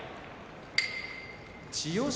千代翔